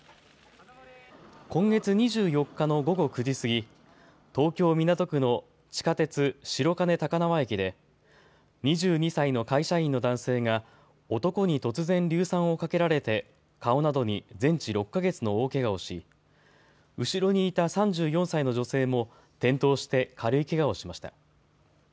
今月２４日の午後９時過ぎ東京・港区の地下鉄白金高輪駅で２２歳の会社員の男性が男に突然硫酸をかけられて顔などに全治６か月の大けがをし後ろにいた３４歳の女性も転倒して軽いけがをしました。